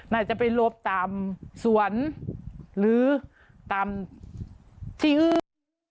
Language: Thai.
น่าจะไปลบตามสวนหรือตามที่อื่น